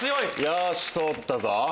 よし通ったぞ。